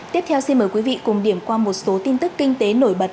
tiếp theo xin mời quý vị cùng điểm qua một số tin tức kinh tế nổi bật